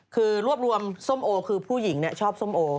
คือรวบรวมส้มโอคือผู้หญิงชอบส้มโอ